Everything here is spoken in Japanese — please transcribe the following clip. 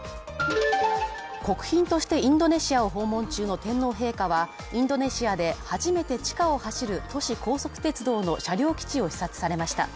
国賓としてインドネシアを訪問中の天皇陛下はインドネシアで初めて地下を走る都市高速鉄道の車両基地を視察されました。